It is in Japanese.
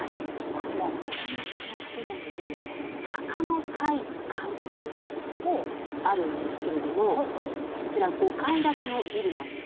この建物に高野会館とあるんですけれどもこちら５階建てのビルなんですね。